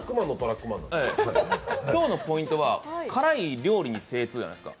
今日のポイントは辛い料理に精通じゃないですか。